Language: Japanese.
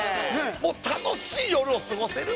もう楽しい夜を過ごせる。